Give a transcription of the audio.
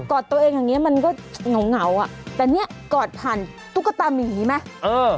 อดตัวเองอย่างเงี้มันก็เหงาเหงาอ่ะแต่เนี้ยกอดผ่านตุ๊กตามีไหมเออ